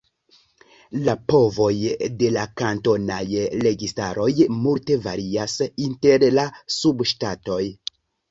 La povoj de la kantonaj registaroj multe varias inter la subŝtatoj.